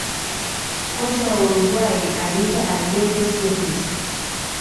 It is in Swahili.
kocha wa uruguay aliitwa alberto suppici